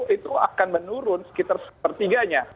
itu akan menurun sekitar sepertiganya